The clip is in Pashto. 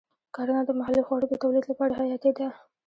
کرنه د محلي خوړو د تولید لپاره حیاتي ده.